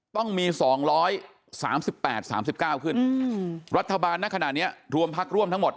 ต้องมี๒๓๘๓๙ขึ้นรัฐบาลณขณะนี้รวมพักร่วมทั้งหมด